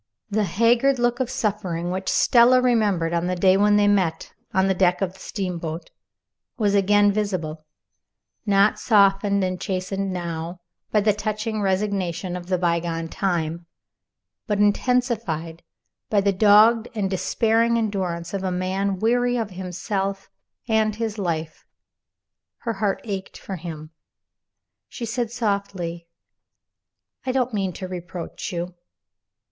The haggard look of suffering, which Stella remembered on the day when they met on the deck of the steamboat, was again visible not softened and chastened now by the touching resignation of the bygone time, but intensified by the dogged and despairing endurance of a man weary of himself and his life. Her heart ached for him. She said, softly: "I don't mean to reproach you."